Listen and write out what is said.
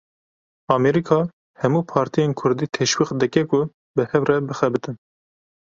Amerîka hemû partiyên kurdî teşwîq dike ku bi hev re bixebitin.